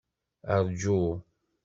Rǧu!